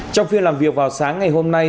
trong phiên làm việc vào sáng ngày hôm nay